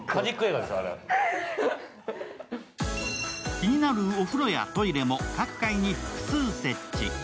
気になるお風呂やトイレも各階に複数設置。